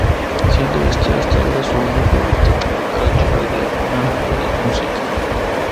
Siendo este, hasta ahora su único arte para carátula de una banda de música.